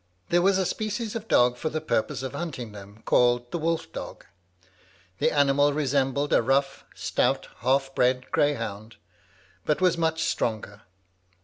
There was a species of dog for the purpose of hunting them, called the wolf dog; the animal resembled a rough, stout, half bred greyhound, but was much stronger.